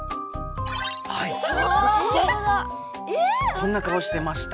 こんな顔してました。